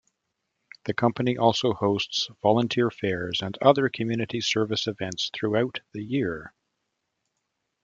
The company also hosts volunteer fairs and other community service events throughout the year.